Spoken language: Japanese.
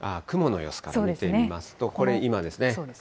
雲の様子から見てみますと、これ、今ですね。